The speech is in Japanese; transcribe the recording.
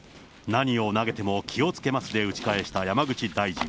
何を投げても気をつけますで打ち返した山口大臣。